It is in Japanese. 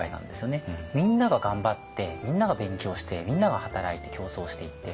みんなが頑張ってみんなが勉強してみんなが働いて競争していって。